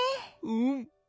うん。